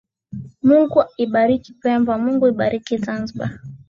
Mungu ibariki Pemba Mungu ibariki Zanzibar